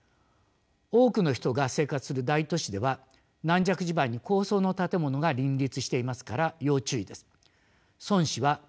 多くの人が生活する大都市では軟弱地盤に高層の建物が林立していますから要注意です。